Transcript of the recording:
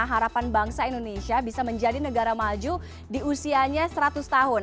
harapan bangsa indonesia bisa menjadi negara maju di usianya seratus tahun